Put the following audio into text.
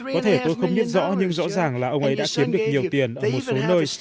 có thể tôi không biết rõ nhưng rõ ràng là ông ấy đã chiếm được nhiều tiền ở một số nơi